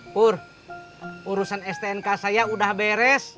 pur urusan stnk saya sudah beres